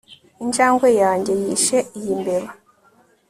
Injangwe yanjye yishe iyi mbeba